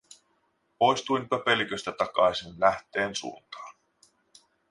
Poistuin pöpeliköstä takaisin lähteen suuntaan.